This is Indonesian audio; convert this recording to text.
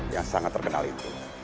yang sangat terkenal itu